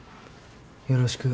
よろしく。